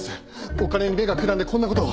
お金に目がくらんでこんな事を。